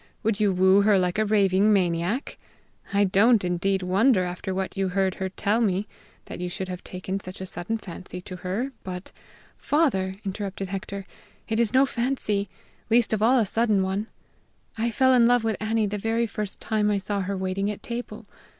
Would you woo her like a raving maniac? I don't, indeed, wonder, after what you heard her tell me, that you should have taken such a sudden fancy to her; but " "Father," interrupted Hector, "it is no fancy least of all a sudden one! I fell in love with Annie the very first time I saw her waiting at table.